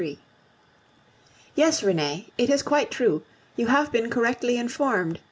Yes, Renee, it is quite true; you have been correctly informed.